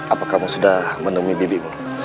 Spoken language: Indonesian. apa kamu sudah menemui bibimu